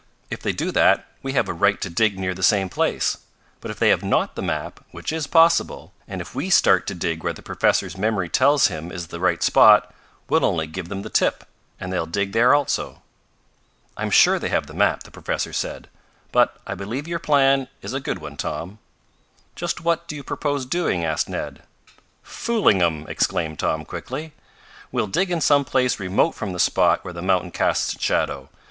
If they do that we have a right to dig near the same place. But if they have not the map, which is possible, and if we start to dig where the professor's memory tells him is the right spot, we'll only give them the tip, and they'll dig there also." "I'm sure they have the map," the professor said. "But I believe your plan is a good one, Tom." "Just what do you propose doing?" asked Ned. "Fooling 'em!" exclaimed Tom quickly. "We'll dig in some place remote from the spot where the mountain casts its shadow.